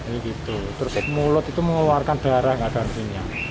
ini gitu terus mulut itu mengeluarkan darah nggak ada pinya